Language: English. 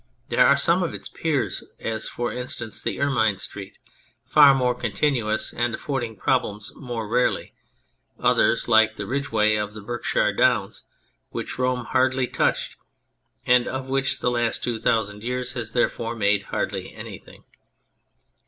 There are some of its peers : as for instance the Ermine Street, far more continuous, and affording problems more rarely ; others like the ridgeway of the Berkshire Downs, which Rome hardly touched, and of which the last two thousand years has therefore made hardly anything.